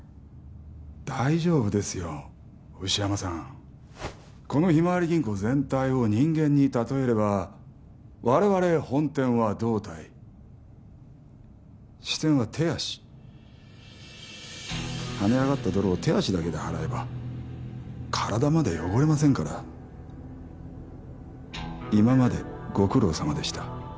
大丈夫ですよ牛山さんこのひまわり銀行全体を人間にたとえれば我々本店は胴体支店は手足跳ね上がった泥を手足だけで払えば体まで汚れませんから今までご苦労さまでした